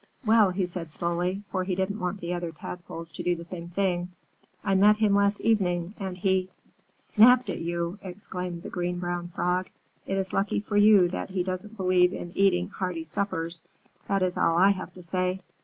"Well," he said slowly, for he didn't want the other Tadpoles to do the same thing, "I met him last evening and he " "Snapped at you!" exclaimed the Green Brown Frog. "It is lucky for you that he doesn't believe in eating hearty suppers, that is all I have to say!